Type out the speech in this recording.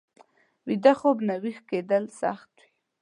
ویده خوب نه ويښ کېدل سخته وي